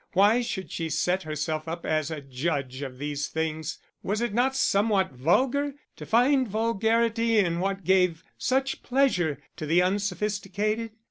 Why should she set herself up as a judge of these things? Was it not somewhat vulgar to find vulgarity in what gave such pleasure to the unsophisticated?